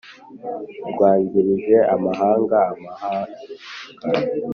rwagirije amahanga amahanga